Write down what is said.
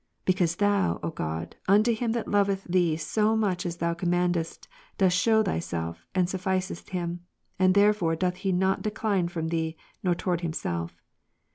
Because Thou, O God, unto him that loveth Thee so much as Thou commandest, dost shew Thyself, and sufiicest him ; and therefore doth he not de cline from Thee, nor toward himself*.